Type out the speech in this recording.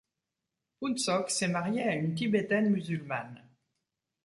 Phuntsok s'est marié à une Tibétaine musulmane.